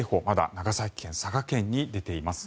長崎県、佐賀県に出ています。